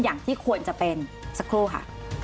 อย่างที่ควรจะเป็นสักครู่ค่ะ